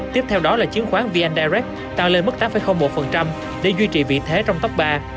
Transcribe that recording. tiếp theo đó là chứng khoán vn direct tăng lên mức tám một để duy trì vị thế trong tốc ba